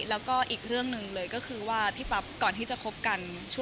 แล้วก็อีกเรื่องหนึ่งเลยก็คือว่าพี่ปั๊บก่อนที่จะคบกัน